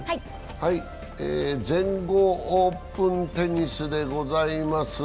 全豪オープンテニスでございます。